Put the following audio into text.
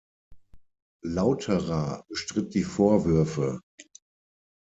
Lauterer bestritt die Vorwürfe.